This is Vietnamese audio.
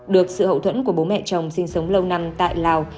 được sự hậu thuẫn của bố mẹ chồng sinh sống lâu năm tại lào